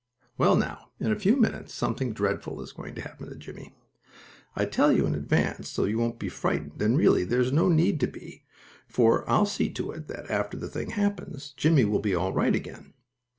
Well now, in a few minutes, something dreadful is going to happen to Jimmie. I tell you in advance so you won't be frightened, and, really, there is no need to be, for I'll see to it that, after the thing happens, Jimmie will be all right again.